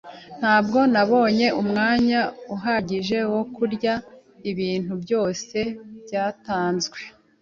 Ntabwo nabonye umwanya uhagije wo kurya ibintu byose byatanzwe.